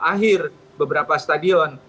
akhir beberapa stadion